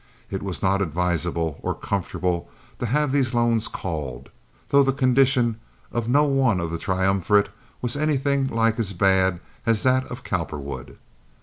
It was not advisable or comfortable to have these loans called, though the condition of no one of the triumvirate was anything like as bad as that of Cowperwood.